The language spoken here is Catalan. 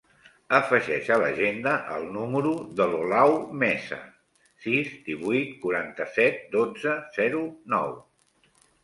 Afegeix a l'agenda el número de l'Olau Mesa: sis, divuit, quaranta-set, dotze, zero, nou.